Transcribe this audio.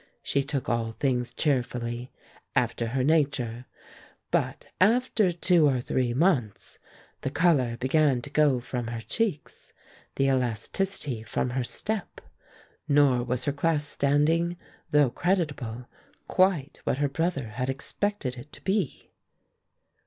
She took all things cheerfully, after her nature, but after two or three months the color began to go from her cheeks, the elasticity from her step; nor was her class standing, though creditable, quite what her brother had expected it to be.